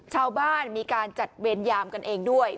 ชาวบ้านมีการจัดเวรยามกันเองด้วย